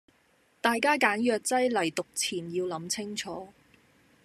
大家揀藥劑黎讀前要諗清楚